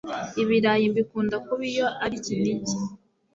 Ibirayi mbikunda kubi iyo ari kinigi